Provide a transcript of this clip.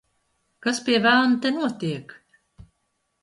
Kas pie velna te notiek?